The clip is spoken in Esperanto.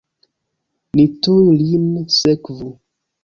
Ni tuj lin sekvu!